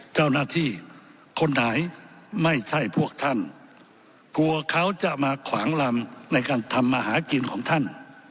เจ้าหน้าที่คนไหนไม่ใช่พวกท่านกลัวเขาจะมาขวางลำในการทำมาหากินของท่าน